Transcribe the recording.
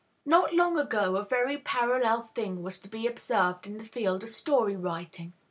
Not long ago a very parallel thing was to be observed in the field of story writing.